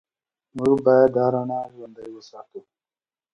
موږ باید دا رڼا ژوندۍ وساتو.